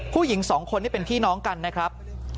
ผู้หญิงสองคนนี่เป็นพี่น้องกันนะครับ